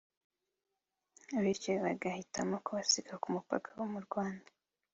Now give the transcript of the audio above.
bityo bagahitamo kubasiga ku mupaka mu Rwanda